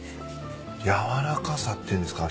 軟らかさっていうんですか？